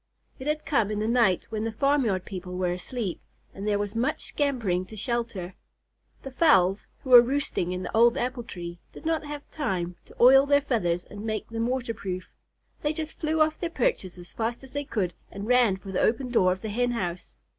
It had come in the night when the farmyard people were asleep, and there was much scampering to shelter. The fowls, who were roosting in the old apple tree, did not have time to oil their feathers and make them water proof. They just flew off their perches as fast as they could and ran for the open door of the Hen house.